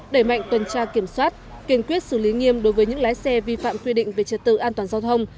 đẩy mạnh tuần tra kiểm soát kiên quyết xử lý nghiêm đối với những lái xe vi phạm quy định về trật tự an toàn giao thông